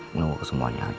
menunggu semuanya aja